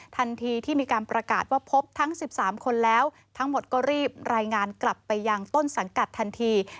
ทันทีที่มีการประกาศว่าพบทั้ง๑๓คนแล้วทั้งหมดก็รีบรายงานกลับไปยังต้นสังกัดทันที